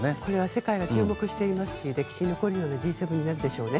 世界が注目していますし歴史に残るようなＧ７になるでしょうね。